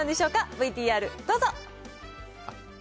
ＶＴＲどうぞ。